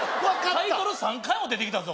タイトル３回も出てきたぞ